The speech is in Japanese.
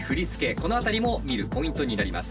この辺りも見るポイントになります。